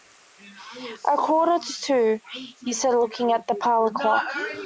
‘A quarter to two,’ he said, looking at the parlour clock.